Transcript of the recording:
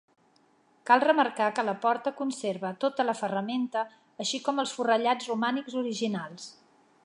Cal remarcar que la porta conserva tota la ferramenta així com els forrellats romànics originals.